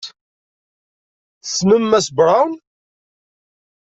Tessnem Mass Brown?